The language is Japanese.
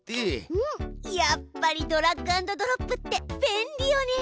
うんやっぱりドラッグアンドドロップって便利よね。